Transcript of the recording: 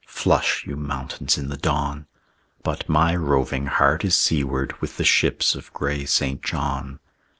Flush, you mountains in the dawn! But my roving heart is seaward With the ships of gray St. John.